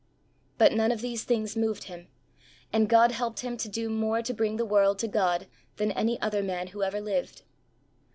But none of these things moved him, and God helped him to do more to bring the world to God than any other man who ever lived.